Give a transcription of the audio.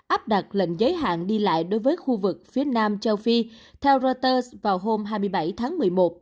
áp đặt lệnh giới hạn đi lại đối với khu vực phía nam châu phi theo reuters vào hôm hai mươi bảy tháng một mươi một